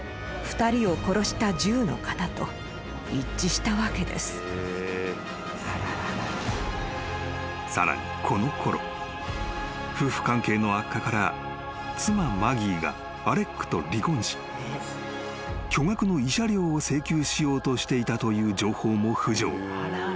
［しかし］［さらにこのころ夫婦関係の悪化から妻マギーがアレックと離婚し巨額の慰謝料を請求しようとしていたという情報も浮上］